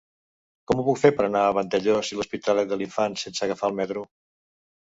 Com ho puc fer per anar a Vandellòs i l'Hospitalet de l'Infant sense agafar el metro?